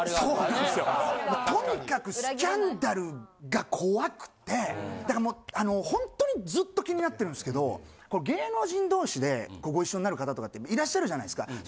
とにかくスキャンダルが怖くてだからもう本当にずっと気になってるんですけどこの芸能人同士でこうご一緒になる方とかっていらっしゃるじゃないですか。